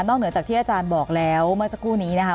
เหนือจากที่อาจารย์บอกแล้วเมื่อสักครู่นี้นะคะ